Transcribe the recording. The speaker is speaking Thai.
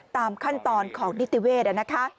ตามขั้นตอนของนิติเวศนะคะ